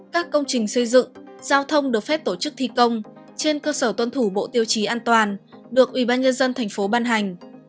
các công trình xây dựng giao thông được phép tổ chức thi công trên cơ sở tuân thủ bộ tiêu chí an toàn được ubnd tp ban hành